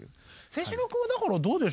清史郎君はだからどうでしょう？